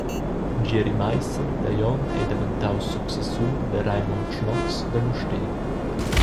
Gieri Maissen da Glion ei daventaus successur da Raymond Schnoz da Mustér.